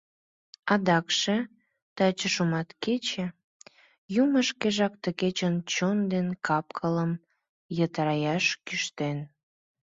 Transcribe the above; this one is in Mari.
Адакше таче шуматкече, Юмо шкежак ты кечын чон ден капкылым йытыраяш кӱштен.